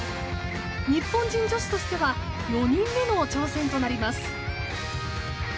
日本人女子としては４人目の挑戦となります。